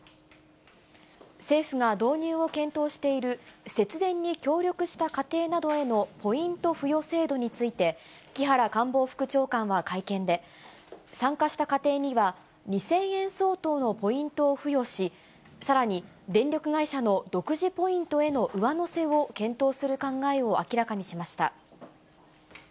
政府が導入を検討している、節電に協力した家庭などへのポイント付与制度について、木原官房副長官は会見で、参加した家庭には、２０００円相当のポイントを付与し、さらに、電力会社の独自ポイントへの上乗せを検討する考えを明らかにしました。